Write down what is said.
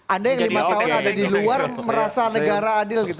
anda yang lima tahun ada di luar merasa negara adil gitu